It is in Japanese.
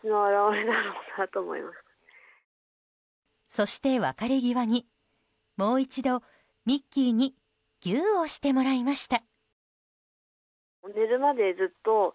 そして別れ際にもう一度ミッキーにぎゅーをしてもらいました。